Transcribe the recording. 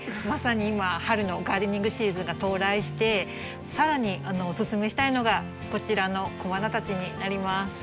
まさに今春のガーデニングシーズンが到来してさらにおすすめしたいのがこちらの小花たちになります。